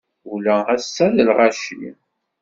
Ula ass-a d lɣaci.